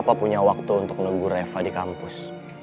apa punya waktu untuk nunggu reva di kampus